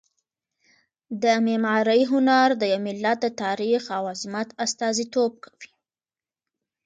د معمارۍ هنر د یو ملت د تاریخ او عظمت استازیتوب کوي.